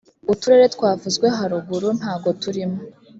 uturere twavuzwe haruguru ntagoturimo.